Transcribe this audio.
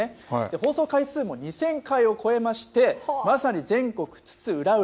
放送回数も２０００回を超えまして、まさに全国津々浦々、